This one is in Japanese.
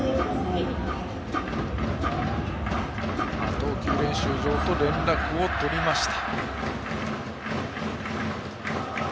投球練習場と連絡を取りました